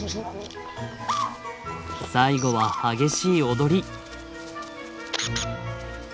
最後は激しい踊り！